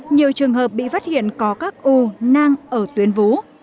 nhiều trường hợp bị phát hiện có các u nang ở tuyến vú